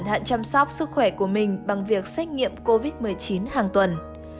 chị cũng cẩn thận chăm sóc sức khỏe của mình bằng việc xét nghiệm covid một mươi chín hàng tuần